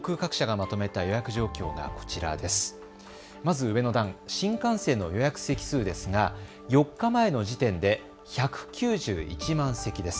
まず上の段、新幹線の予約席数ですが４日前の時点で１９１万席です。